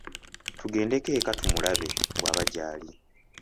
Tugendeko eka tumulabe bw’aba gy’ali.